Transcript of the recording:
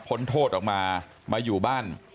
พ้นโทษออกมามาอยู่บ้าน